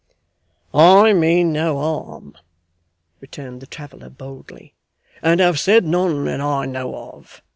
'I mean no harm' returned the traveller boldly, 'and have said none that I know of.